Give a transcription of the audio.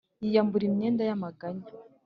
yiyambura imyenda y’amaganya,